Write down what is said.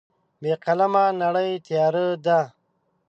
بې قلمه نړۍ تیاره ده.